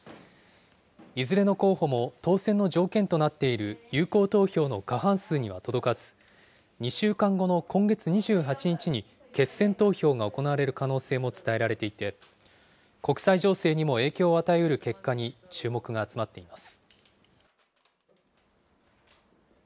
いずれの候補も当選の条件となっている有効投票の過半数には届かず、２週間後の今月２８日に決選投票が行われる可能性も伝えられていて、国際情勢にも影響を与えうる結果に注目が集まっています。